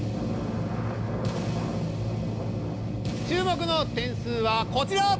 注目の点数はこちら！